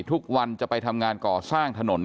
ทุกวันจะไปทำงานก่อสร้างถนน